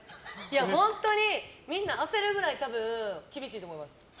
本当に、みんな焦るくらい厳しいと思います。